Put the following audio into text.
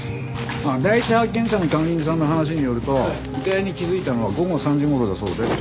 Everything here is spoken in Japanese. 第一発見者の管理人さんの話によると遺体に気づいたのは午後３時頃だそうで。